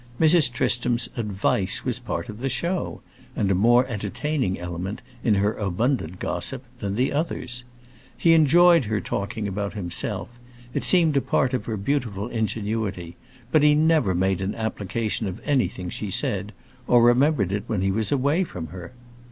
Mrs. Tristram's "advice" was a part of the show, and a more entertaining element, in her abundant gossip, than the others. He enjoyed her talking about himself; it seemed a part of her beautiful ingenuity; but he never made an application of anything she said, or remembered it when he was away from her.